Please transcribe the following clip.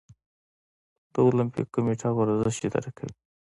د المپیک کمیټه ورزش اداره کوي